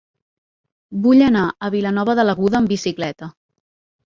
Vull anar a Vilanova de l'Aguda amb bicicleta.